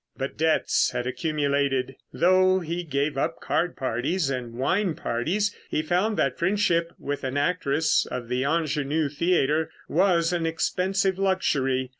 But debts had accumulated; though he gave up card parties and wine parties he found that friendship with an actress of the Ingenue Theatre was an expensive luxury.